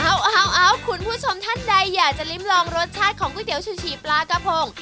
เอาคุณผู้ชมท่านใดอยากจะลิ้มลองรสชาติของก๋วยเตี๋ชูชีปลากระพง